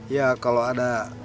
ya kalau ada